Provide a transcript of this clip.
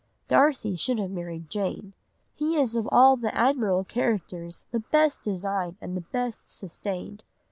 Darcy should have married Jane. He is of all the admirable characters the best designed and the best sustained.